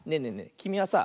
きみはさ